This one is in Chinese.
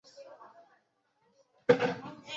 呼吸作用是一种酶促氧化反应。